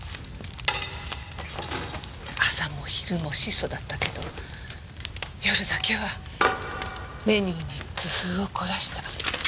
朝も昼も質素だったけど夜だけはメニューに工夫を凝らした。